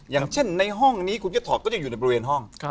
อย่างเช่นในห้องนี้คุณจะถอดก็ยังอยู่ในบริเวณห้อง